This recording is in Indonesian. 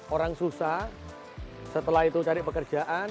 orang susah setelah itu cari pekerjaan